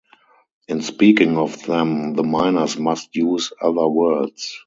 In speaking of them the miners must use other words.